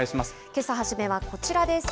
けさ初めはこちらです。